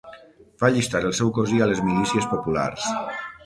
Va allistar el seu cosí a les milícies populars.